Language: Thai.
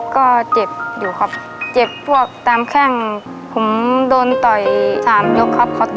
ก็เจ็บอยู่ครับเจ็บพวกตามแข้งผมโดนต่อย๓ยกครับ